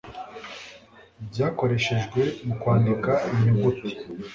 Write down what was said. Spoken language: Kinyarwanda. byakoreshejwe mukwandika inyuguti